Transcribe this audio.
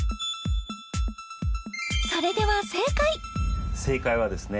それでは正解はですね